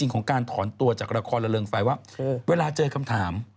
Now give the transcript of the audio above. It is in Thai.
ที่เราสู้จากลาคลเวลาเจอคำถาม